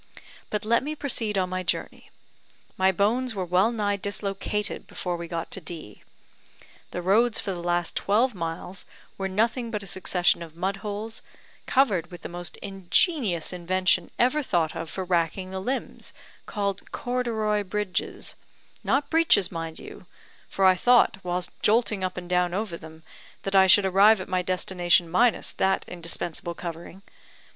"But let me proceed on my journey. My bones were well nigh dislocated before we got to D . The roads for the last twelve miles were nothing but a succession of mud holes, covered with the most ingenious invention ever thought of for racking the limbs, called corduroy bridges; not breeches, mind you, for I thought, whilst jolting up and down over them, that I should arrive at my destination minus that indispensable covering.